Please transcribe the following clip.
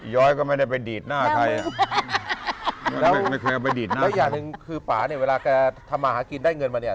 ย้อยก็ไม่ได้ไปดีดหน้าใครอ่ะแล้วอย่างหนึ่งคือป่าเนี่ยเวลาแกทำมาหากินได้เงินมาเนี่ย